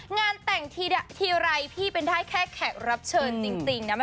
งานแต่งทีไรพี่เป็นได้แค่แขกรับเชิญจริงนะ